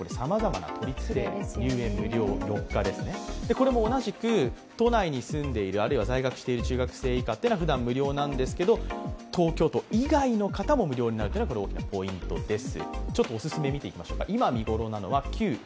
これも同じく、都内に住んでいるあるいは在学している中学生以下っていうのはふだん無料なんですが、東京都以外の方も無料になるのがポイントです。